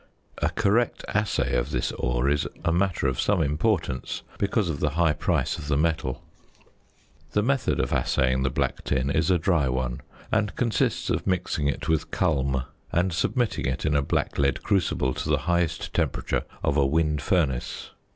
A correct assay of this ore is a matter of some importance, because of the high price of the metal. The method of assaying the black tin is a dry one, and consists of mixing it with "culm," and submitting it in a black lead crucible to the highest temperature of a wind furnace.